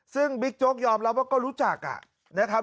ซึ่งบิ๊กโจ๊กยอมรับว่าก็รู้จักนะครับ